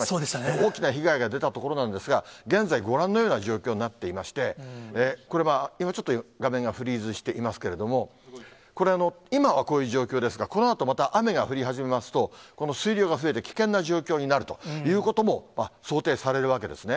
大きな被害が出た所なんですが、現在、ご覧のような状況になっていまして、これ、今、ちょっと画面がフリーズしていますけれども、これ、今はこういう状況ですが、このあとまた、雨が降り始めますと、この水量が増えて、危険な状況になるということも想定されるわけですね。